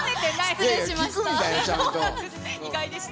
失礼しました。